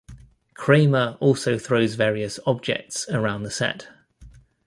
Cramer also throws various objects around the set.